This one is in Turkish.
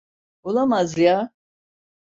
Olamaz ya!